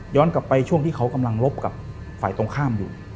กลับไปช่วงที่เขากำลังรบกับฝ่ายตรงข้ามอยู่